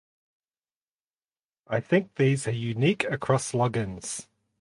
I think these are unique across logins.